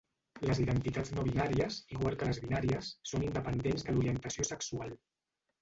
Les identitats no-binàries, igual que les binàries, són independents de l'orientació sexual.